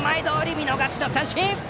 見逃しの三振！